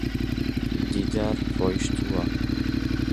دیدار ڕۆیشتووە.